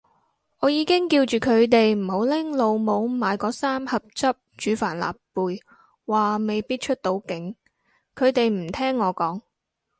我已經叫住佢哋唔好拎老母買嗰三盒汁煮帆立貝，話未必出到境，佢哋唔聽我講